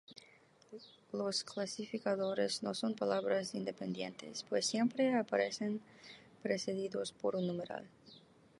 Los clasificadores no son palabras independientes, pues siempre aparecen precedidos por un numeral.